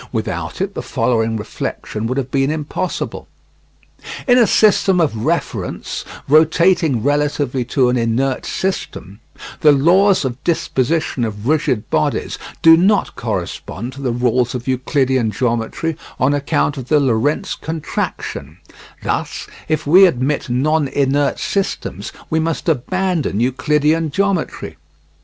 Without it the following reflection would have been impossible: In a system of reference rotating relatively to an inert system, the laws of disposition of rigid bodies do not correspond to the rules of Euclidean geometry on account of the Lorentz contraction; thus if we admit non inert systems we must abandon Euclidean geometry.